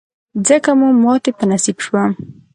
ځکه مو ماتې په نصیب شوه.